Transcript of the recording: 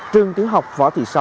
trường tiểu học võ thị sáu